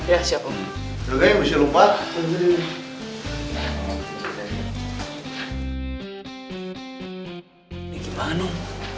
ya siap om